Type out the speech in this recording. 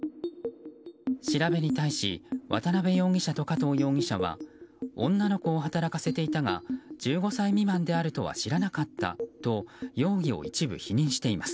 調べに対し渡辺容疑者と加藤容疑者は女の子を働かせていたが１５歳未満であるとは知らなかったと容疑を一部否認しています。